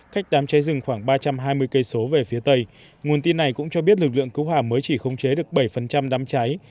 khách đám cháy rừng khoảng ba trăm hai mươi cây số về phía tây nguồn tin này cũng cho biết lực lượng cứu hỏa mới chỉ không chế được bảy đám cháy